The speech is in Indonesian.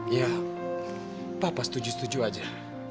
ya papa setuju setuju aja